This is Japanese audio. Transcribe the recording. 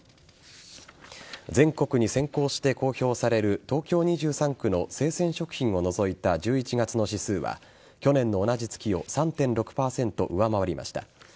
全国に先行して公表される東京２３区の生鮮食品を除いた１１月の指数は、去年の同じ月を３．６％上回りました。